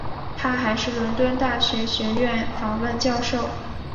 他还是伦敦大学学院访问教授。